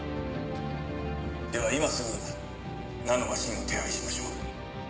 では今すぐナノマシンを手配しましょう。